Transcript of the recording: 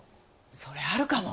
それあるかも！